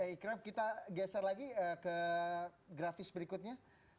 ikram kita geser lagi ke grafis berikutnya